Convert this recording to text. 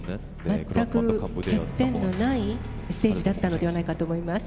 全く欠点のないステージだったのではないかと思います。